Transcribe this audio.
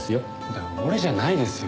だから俺じゃないですよ。